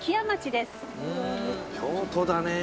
「京都だね！」